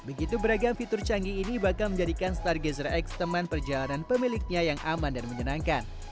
begitu beragam fitur canggih ini bahkan menjadikan stargazer x teman perjalanan pemiliknya yang aman dan menyenangkan